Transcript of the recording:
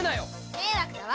迷惑だわ